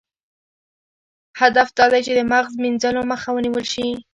هدف دا دی چې د مغز مینځلو مخه ونیول شي.